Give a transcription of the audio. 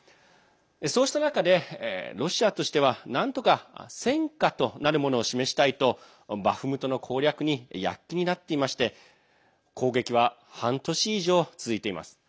そうした中で、ロシアとしてはなんとか戦果となるものを示したいとバフムトの攻略に躍起になっていまして攻撃は半年以上続いています。